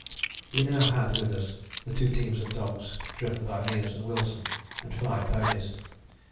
We now had with us the two teams of dogs, driven by Meares and Wilson, and five ponies.